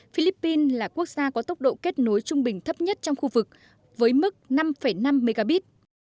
philippines là quốc gia có tốc độ kết nối trung bình thấp nhất trong khu vực với mức năm năm mb